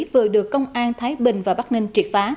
vừa được công an thái bình và bắc ninh triệt phá